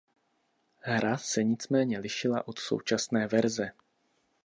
Hra se nicméně lišila od současné verze.